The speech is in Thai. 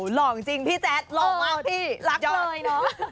หล่อจริงพี่แจ๊ดหล่อมากพี่รักเลยเนอะ